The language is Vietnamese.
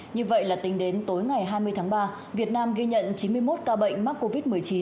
như vậy là tính đến tối ngày hai mươi tháng ba việt nam ghi nhận chín mươi một ca bệnh mắc covid một mươi chín